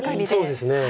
そうですね。